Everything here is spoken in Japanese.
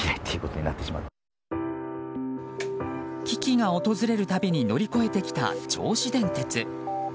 危機が訪れる度に乗り越えてきた銚子電鉄。